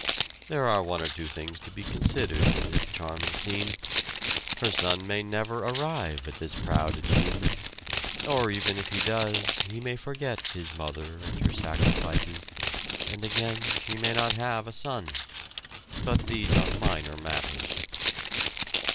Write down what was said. There are one or two things to be considered in this charming scene. Her son may never arrive at this proud achievement, or even if he does, he may forget his mother and her sacrifices, and again she may not have a son. But these are minor matters.